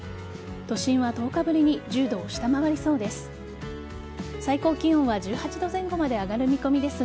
都心は１０日ぶりに１０度を下回りそうです。